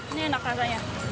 ini enak rasanya